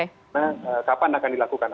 nah kapan akan dilakukan